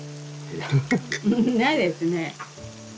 ないですね。